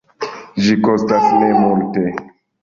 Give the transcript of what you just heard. Ĝi kostas nemulte.